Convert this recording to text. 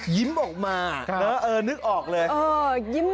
ยิ้มออกมานึกออกเลย